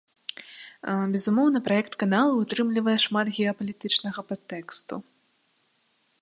Безумоўна, праект каналу ўтрымлівае шмат геапалітычнага падтэксту.